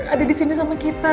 ada di sini sama kita